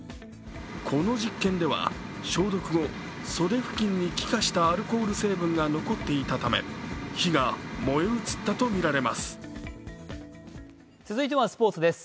この実験では消毒後、袖付近に気化したアルコール成分が残っていたため火が燃え移ったとみられます。